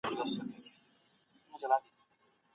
هغه ولي کار نه سو کولای .